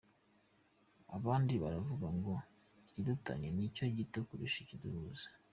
Abandi, baravuga ngo ikidutanya ni cyo gito kurusha ikiduhuza.